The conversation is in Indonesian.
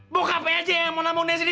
bokap aja yang mau nampung dia di sini